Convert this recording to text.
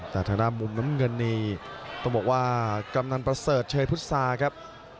แต่ทางด้านมุมน้ำเงินนี่ต้องบอกว่ากำนันประเสริฐเชยพุษาครับ